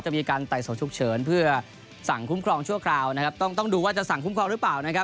มีการไต่สวนฉุกเฉินเพื่อสั่งคุ้มครองชั่วคราวนะครับต้องต้องดูว่าจะสั่งคุ้มครองหรือเปล่านะครับ